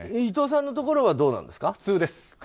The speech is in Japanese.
伊藤さんのところはどうなんですか？